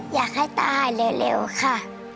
อยากให้ตายเร็วค่ะ